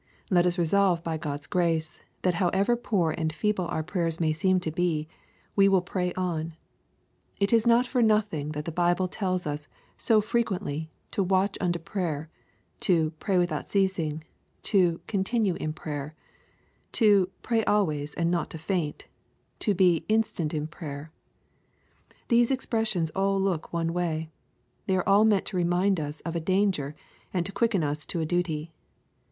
Let us resolve by God's grace, that nowever poor and feeble our prayers may seem to be, we will pray on. It is not for nothing that the Bible tells us so fre quently, to " watch unto prayer," to " pray without ceas ing," to " continue in prayer," to "pray always and not to faint," to be "instant in prayer," These expressions all look one way. They are all meant to remind us of a danger and to quicken us to a duty.